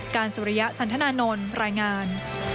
สุริยะชันธนานนท์รายงาน